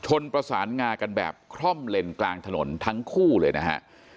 ประสานงากันแบบคร่อมเลนกลางถนนทั้งคู่เลยนะฮะ